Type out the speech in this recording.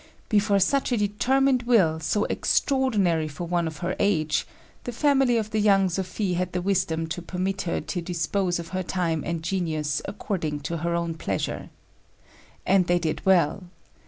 Before such a determined will, so extraordinary for one of her age, the family of the young Sophie had the wisdom to permit her to dispose of her time and genius according to her own pleasure. And they did well.